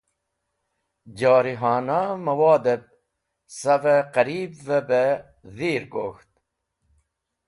Jorihana mẽwodẽb savẽ qẽribivẽ bẽ dhir gok̃ht.